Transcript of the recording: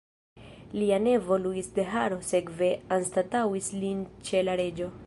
Lia nevo Luis de Haro sekve anstataŭis lin ĉe la reĝo.